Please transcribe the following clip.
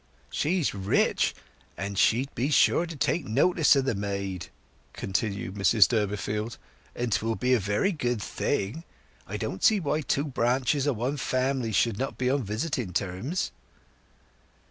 "She is rich, and she'd be sure to take notice o' the maid," continued Mrs Durbeyfield; "and 'twill be a very good thing. I don't see why two branches o' one family should not be on visiting terms."